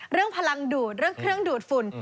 พลังดูดเรื่องเครื่องดูดฝุ่น